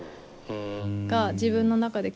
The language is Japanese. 自分の中で。